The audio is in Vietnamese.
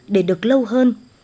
để được lâu hơn